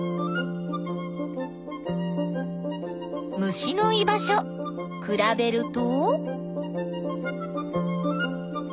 虫の居場所くらべると。